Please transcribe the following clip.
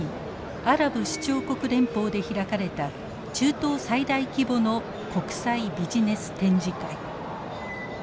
アラブ首長国連邦で開かれた中東最大規模の国際ビジネス展示会。